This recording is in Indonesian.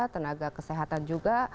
tenaga kesehatan juga